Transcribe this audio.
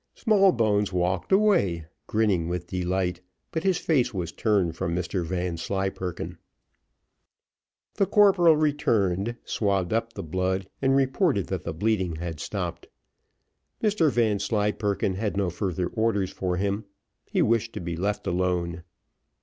Smallbones walked away, grinning with delight, but his face was turned from Mr Vanslyperken. The corporal returned, swabbed up the blood, and reported that the bleeding had stopped. Mr Vanslyperken had no further orders for him he wished to be left alone.